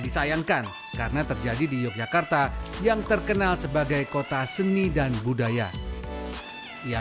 disayangkan karena terjadi di yogyakarta yang terkenal sebagai kota seni dan budaya yang